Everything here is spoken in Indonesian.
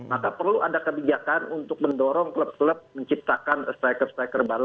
maka perlu ada kebijakan untuk mendorong klub klub menciptakan striker striker baru